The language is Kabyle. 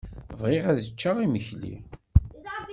Bɣiɣ ad ččeɣ imekli.